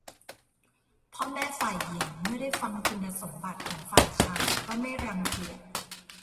พ่อแม่ฝ่ายหญิงเมื่อได้ฟังคุณสมบัติของฝ่ายชายก็ไม่รังเกียจ